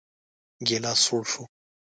ګيلاس سوړ شو.